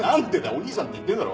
お兄さんって言ってるだろ？